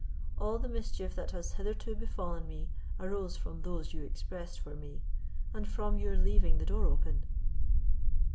All the mischief that has hitherto befallen me arose from those you expressed for me, and from your leaving the door open."